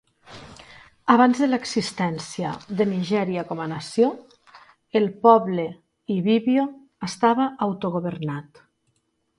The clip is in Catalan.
Abans de l'existència de Nigèria com a nació, el poble ibibio estava autogovernat.